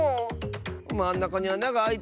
まんなかにあながあいてるよね。